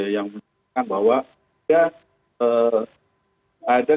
yang menunjukkan bahwa ada